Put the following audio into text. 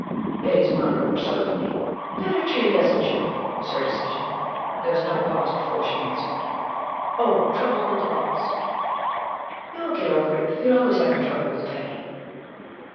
Betty's mind worked swiftly. "Better treat it as a joke," was her decision. There was no pause before she answered. "Oh, trouble with the boss." "You'll get over it. You're always having trouble with Penny.